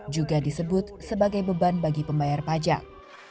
juga disebut sebagai beban bagi pembayar pajak